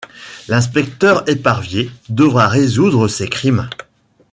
L'inspecteur Eparvier devra résoudre ces crimes.